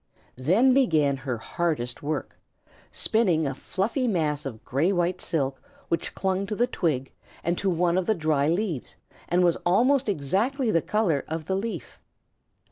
Then began her hardest work, spinning a fluffy mass of gray white silk which clung to the twig and to one of the dry leaves and was almost exactly the color of the leaf.